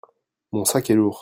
mon sac est lourd.